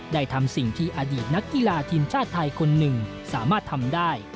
ทำสิ่งที่อดีตนักกีฬาทีมชาติไทยคนหนึ่งสามารถทำได้